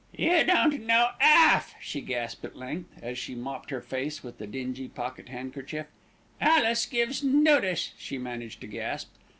"You don't know Alf!" she gasped at length, as she mopped her face with the dingy pocket handkerchief. "Alice gives notice," she managed to gasp.